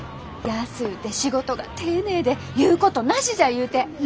安うて仕事が丁寧で言うことなしじゃ言うて。